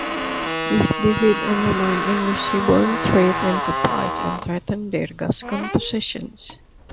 This defeat undermined English seaborne trade and supplies and threatened their Gascon possessions.